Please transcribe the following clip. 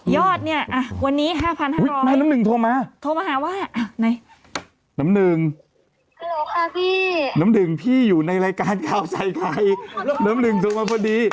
ยอดเนี่ยวันนี้๕๕๐๐บาทโทรมาหาว่าน้ำหนึ่งพี่อยู่ในรายการข่าวใส่ใครน้ำหนึ่งโทรมาพอดี